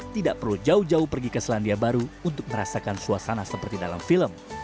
tidak perlu jauh jauh pergi ke selandia baru untuk merasakan suasana seperti dalam film